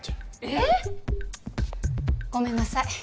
えっ！？ごめんなさい。